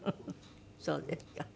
そうですか。